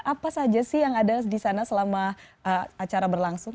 apa saja sih yang ada di sana selama acara berlangsung